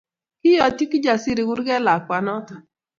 Kiyatyi Kijasiri kurget lakwanoto